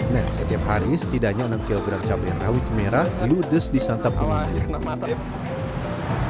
nah setiap hari setidaknya enam kilogram cabai rawit merah ludes di santap ke mirip